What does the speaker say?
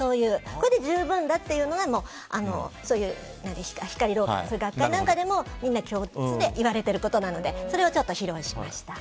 これで十分だっていうのが光老化なんかの学会なんかでも共通で言われていることなのでそれを披露しました。